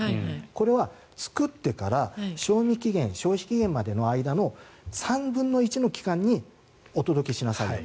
これは作ってから賞味期限、消費期限までの間の３分の１の期間にお届けしなさいよと。